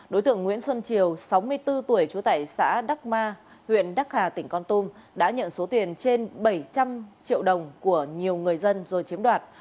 đối tượng nguyễn xuân triều sáu mươi bốn tuổi chú tẩy xã đắc ma huyện đắc hà tỉnh con tum đã nhận số tiền trên bảy trăm linh triệu đồng của nhiều người dân rồi chiếm đoạt